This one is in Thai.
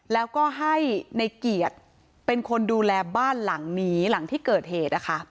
แล้วก็ให้ในเกียรติเป็นคนดูแลบ้านหลังนี้หลังที่เกิดเหตุ